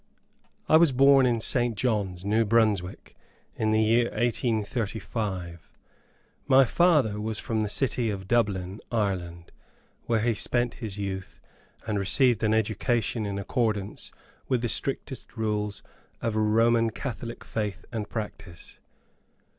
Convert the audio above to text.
I was born at St. John's, New Brunswick, in the year 1835. My father was from the city of Dublin, Ireland, where he spent his youth, and received an education in accordance with the strictest rules of Roman Catholic faith and practice.